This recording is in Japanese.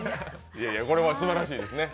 これはすばらしいですね。